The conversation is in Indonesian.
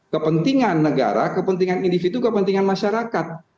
kepentingan negara kepentingan individu kepentingan masyarakat